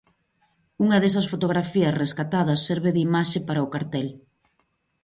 Unha desas fotografías rescatadas serve de imaxe para o cartel.